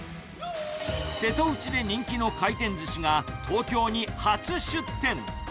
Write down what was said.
瀬戸内で人気の回転ずしが、東京に初出店。